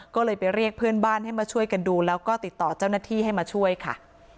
ก็เลยไปเรียกเพื่อนบ้านให้มาช่วยกันดูแล้วก็ติดต่อเจ้าหน้าที่ให้มาช่วยค่ะ